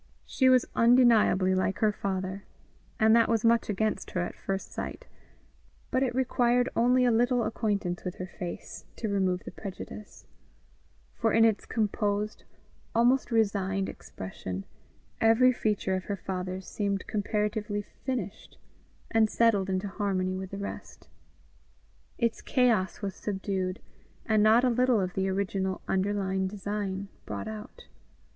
She was undeniably like her father, and that was much against her at first sight; but it required only a little acquaintance with her face to remove the prejudice; for in its composed, almost resigned expression, every feature of her father's seemed comparatively finished, and settled into harmony with the rest; its chaos was subdued, and not a little of the original underlying design brought out.